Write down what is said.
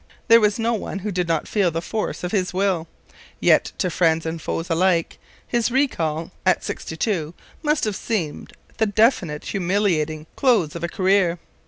There was no one who did not feel the force of his will. Yet to friends and foes alike his recall at sixty two must have seemed the definite, humiliating close of a career.